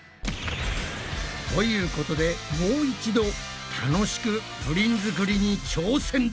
ということでもう一度たのしくプリン作りに挑戦だ！